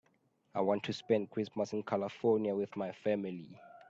I want to spend Christmas in California with my family.